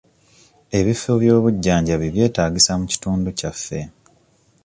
Ebifo by'obujjanjabi byetaagisa mu kitundu kyaffe.